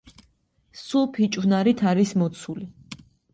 სულ ფიჭვნარით არის მოცული.